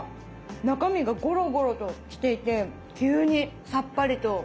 中身がゴロゴロとしていて急にさっぱりとして。